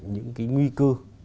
những nguy cơ